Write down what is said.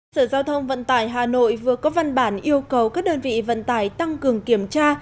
sở giao thông vận tải hà nội vừa có văn bản yêu cầu các đơn vị vận tải tăng cường kiểm tra